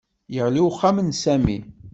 Yeɣli uxxam n Sami